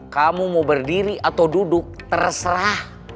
kamu mau berdiri atau duduk terserah